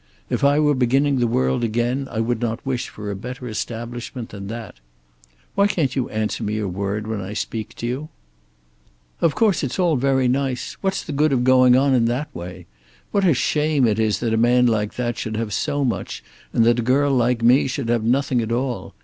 "If I were beginning the world again I would not wish for a better establishment than that. Why can't you answer me a word when I speak to you?" "Of course it's all very nice. What's the good of going on in that way? What a shame it is that a man like that should have so much and that a girl like me should have nothing at all.